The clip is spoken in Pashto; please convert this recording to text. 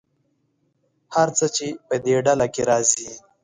هر څه چې په دې ډله کې راځي.